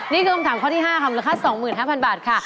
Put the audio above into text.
นี่คือคำถามข้อที่๕ค่ะมูลค่า๒๕๐๐บาทค่ะ